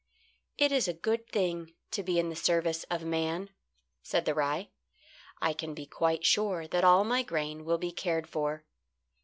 "It is a good thing to be in the service of man," said the rye. "I can be quite sure that all my grain will be cared for.